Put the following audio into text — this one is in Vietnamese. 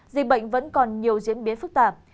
dịch bệnh vẫn còn nhiều diễn biến phức tạp